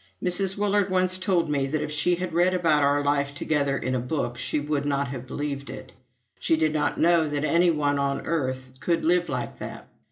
Mrs. Willard once told me that if she had read about our life together in a book, she would not have believed it. She did not know that any one on earth could live like that.